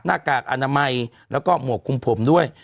กากอนามัยแล้วก็หมวกคุมผมด้วย